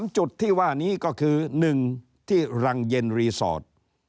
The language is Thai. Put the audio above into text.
จุดที่ว่านี้ก็คือ๑ที่รังเย็นรีสอร์ท